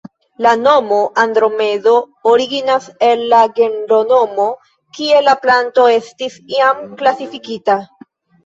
La nomo "andromedo" originas el la genronomo, kie la planto estis iam klasifikita.